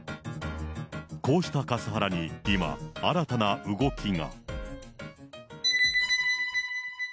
こうしたカスハラに今、新たな動きが。